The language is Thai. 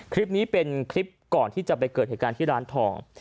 คลิปนี้เป็นคลิปก่อนที่จะไปเกิดเหตุการณ์ที่ร้านทอง